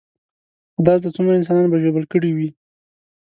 خدا زده څومره انسانان به ژوبل کړي وي.